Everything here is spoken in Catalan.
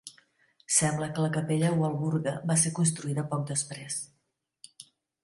Sembla que la "Capella Walburga" va ser construïda poc després.